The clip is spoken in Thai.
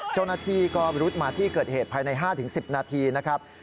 เจ้าหน้าที่ก็รุดมาที่เกิดเหตุภายใน๕๑๐นาทีนะครับ